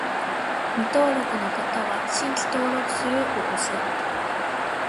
未登録の方は、「新規登録する」を押す